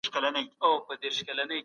که ټولنه وده ونه کړي، نو زوال يې حتمي دی.